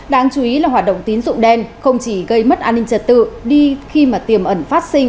đáng chú ý là hoạt động tín dụng đen không chỉ gây mất an ninh trật tự đi khi mà tiềm ẩn phát sinh